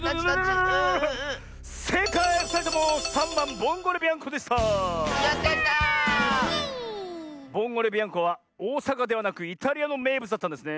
ボンゴレビアンコはおおさかではなくイタリアのめいぶつだったんですねえ。